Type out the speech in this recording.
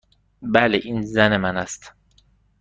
بله. این زن من است.